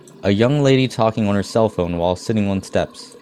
A young lady talking on her cellphone while sitting on steps